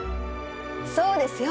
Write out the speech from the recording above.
そうですよ